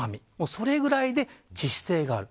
それぐらいで致死性がある。